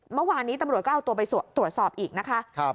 เมื่อวานนี้ตำรวจก็เอาตัวไปตรวจสอบอีกนะคะ